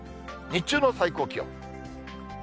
日中の最高気温。